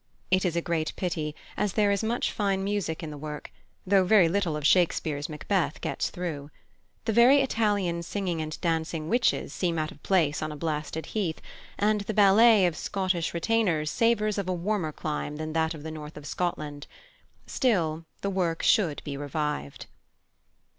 It is a great pity, as there is much fine music in the work, though very little of Shakespeare's Macbeth gets through. The very Italian singing and dancing witches seem out of place on a blasted heath, and the ballet of Scottish retainers savours of a warmer clime than that of the North of Scotland. Still, the work should be revived.